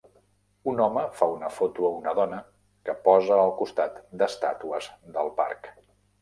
Un home fa una foto a una dona que posa al costat d'estàtues del parc.